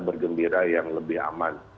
bergembira yang lebih aman